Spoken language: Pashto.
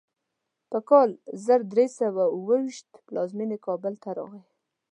په کال زر درې سوه اوو ویشت پلازمینې کابل ته راغی.